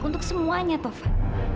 untuk semuanya taufan